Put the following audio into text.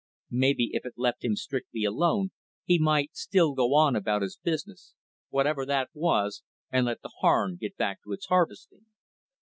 Maybe if it left him strictly alone, he might still go on about his business, whatever that was, and let the Harn get back to its harvesting.